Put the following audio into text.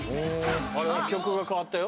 あら曲が変わったよ